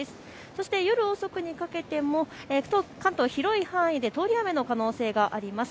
そして夜遅くにかけても、関東、広い範囲で通り雨の可能性があります。